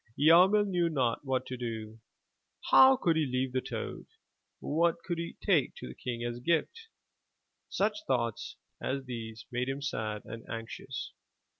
Yarmil knew not what to do. How could he leave the toad? What could he take to the King as a gift? Such thoughts as these made him sad and anxious.